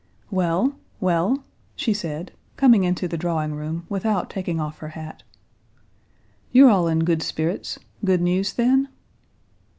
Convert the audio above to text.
"Well, well?" she said, coming into the drawing room, without taking off her hat. "You're all in good spirits. Good news, then?"